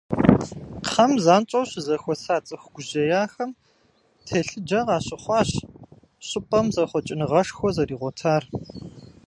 Кхъэм занщӏэу щызэхуэса цӏыху гужьеяхэм телъыджэ къащыхъуащ щӏыпӏэм зэхъуэкӏыныгъэшхуэ зэригъуэтар.